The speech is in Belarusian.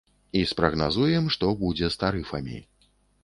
І спрагназуем, што будзе з тарыфамі.